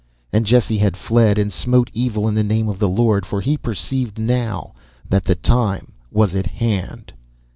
And Jesse had fled, and smote evil in the name of the Lord, for he perceived now that the time was at hand.